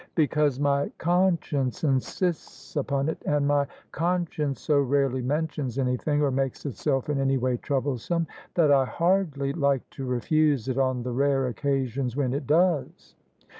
"Because my conscience insists upon it: and my con science so rarely mentions anything or makes itself in any way troublesome, that I hardly like to refuse it on the rare occasions when it does."